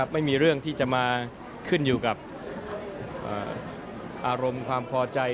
ไม่มีเรื่องที่จะมาขึ้นอยู่กับอารมณ์ความพอใจ